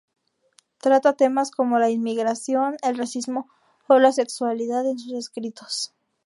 Trata temas como la inmigración, el racismo o la sexualidad en sus escritos.